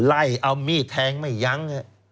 ไล่เอามีดแทงไม่ยั้ง